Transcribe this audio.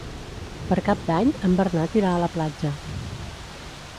Per Cap d'Any en Bernat irà a la platja.